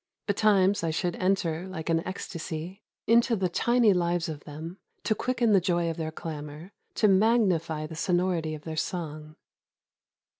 Betimes I should enter, like an ecstasy, into the tiny lives of them, to quicken the joy of their clamor, to magnify the sonority of their song.